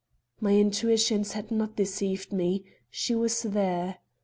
My intuitions had not deceived me; she was there.